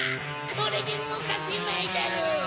これでうごかせないだろう！